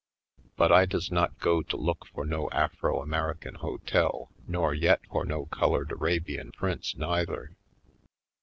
But I does not go to look for no Afro American Hotel, nor yet for no Colored Arabian Prince, neither.